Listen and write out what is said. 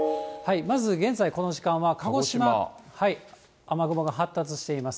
まずこの時間、鹿児島、雨雲が発達しています。